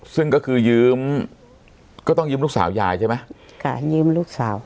ซึ่งก็คือยืมก็ต้องยืมลูกสาวยายใช่ไหมค่ะยืมลูกสาว